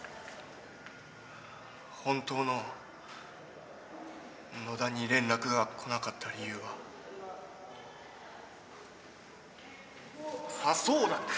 本当の野田に連絡が来なかった理由はあそうだ！